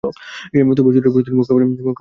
তবেই জরুরী পরিস্থিতির মোকাবেলা করতে পারব।